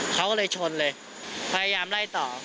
เขาก็เลยชนเลยพยายามไล่ต่อ